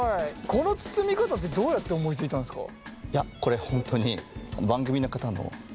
この包み方ってどうやって思いついたんですか？